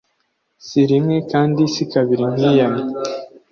Sirimwe kandi sikabiri nkwiyamye